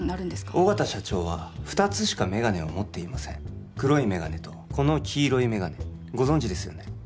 緒方社長は２つしかメガネを持っていません黒いメガネとこの黄色いメガネご存じですよね？